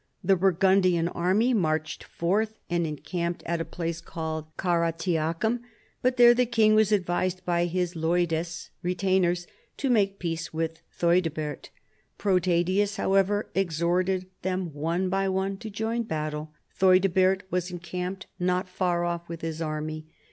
The Burgundian array marched forth and encamped at a place called Caratiacura, but there the king was advised by his leudes [retainers] to make peace with Theudebert. Protadius, however, exhorted them one by one to join battle. Theudebert was encamped not far off with his army.